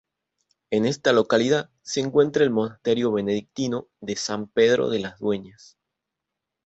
En esta localidad se encuentra el monasterio benedictino de San Pedro de las Dueñas.